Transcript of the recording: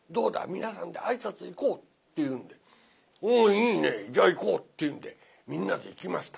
皆さんで挨拶行こう」って言うんで「おおいいね。じゃあ行こう」っていうんでみんなで行きました。